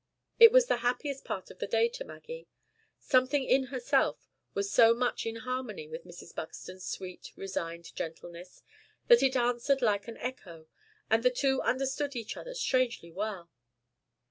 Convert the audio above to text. It was the happiest part of the day to Maggie. Something in herself was so much in harmony with Mrs. Buxton's sweet, resigned gentleness, that it answered like an echo, and the two understood each other strangely well.